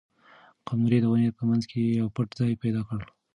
قمرۍ د ونې په منځ کې یو پټ ځای پیدا کړ.